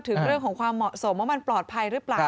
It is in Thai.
ถึงเรื่องของความเหมาะสมว่ามันปลอดภัยหรือเปล่า